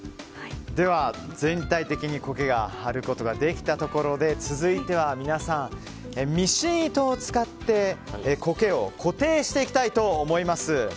では全体的に苔を貼ることができたところで続いてはミシン糸を使って苔を固定していきたいと思います。